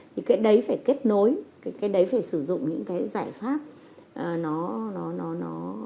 thì cái đấy phải kết nối cái đấy phải sử dụng những cái giải pháp nó nó nó nó nó mang tính mang tính phạm vi nó rộng hơn